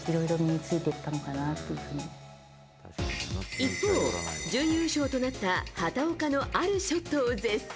一方、準優勝となった畑岡のあるショットを絶賛。